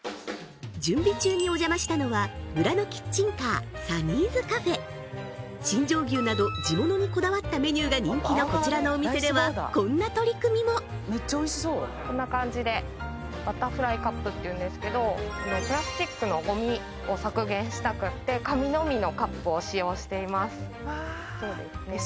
準備中にお邪魔したのは村のキッチンカー新庄牛など地物にこだわったメニューが人気のこちらのお店ではこんな取り組みもこんな感じでバタフライカップっていうんですけどプラスチックのゴミを削減したくって紙のみのカップを使用していますうわＳＤＧｓですね